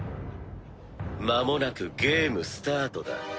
まもなくゲームスタートだ。